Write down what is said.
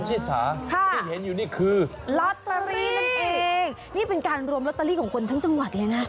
ชิสาค่ะที่เห็นอยู่นี่คือลอตเตอรี่นั่นเองนี่เป็นการรวมลอตเตอรี่ของคนทั้งจังหวัดเลยนะ